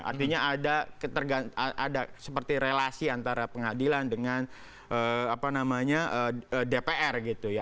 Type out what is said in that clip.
artinya ada seperti relasi antara pengadilan dengan dpr gitu ya